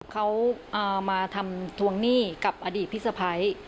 เขามาทำทวงหนี้กับอดีตพี่สะพ้าย